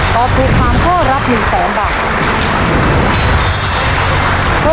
ตอบถูก๓ข้อรับ๑แสนบาท